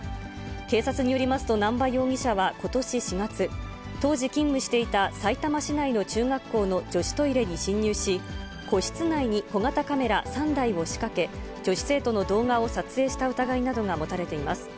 警察によりますと、難波容疑者はことし４月、当時勤務していたさいたま市内の中学校の女子トイレに侵入し、個室内に小型カメラ３台を仕掛け、女子生徒の動画を撮影した疑いなどが持たれています。